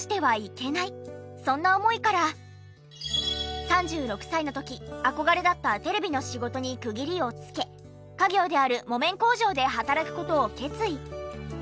そんな思いから３６歳の時憧れだったテレビの仕事に区切りをつけ家業である木綿工場で働く事を決意。